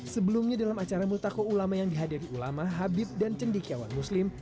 sebelumnya dalam acara multako ulama yang dihadiri ulama habib dan cendikiawan muslim